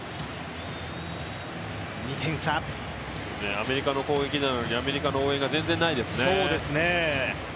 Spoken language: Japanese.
アメリカの攻撃なのにアメリカの応援が全然ないですね。